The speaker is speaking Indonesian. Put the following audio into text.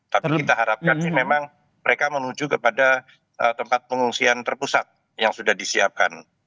tapi kita harapkan sih memang mereka menuju kepada tempat pengungsian terpusat yang sudah disiapkan